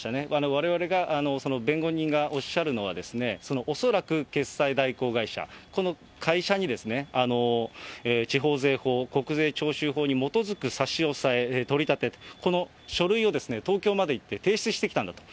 われわれが弁護人がおっしゃるのは、恐らく決済代行会社、この会社に地方税法、国税徴収法に基づく差し押さえ、取り立てと、この書類を東京まで行って提出してきたんだと。